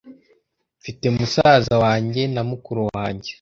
Mfite musaza wanjye na mukuru wanjye